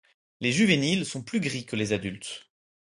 Les juvéniles sont plus gris que les adultes.